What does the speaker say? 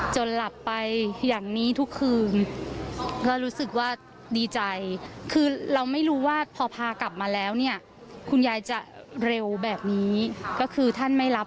จนหลับไปอย่างนี้ทุกคืน